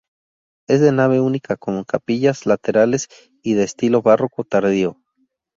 Es de nave única con capillas laterales y de estilo barroco tardío.